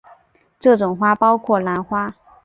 这种花包括兰花。